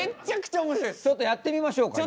ちょっとやってみましょうか今。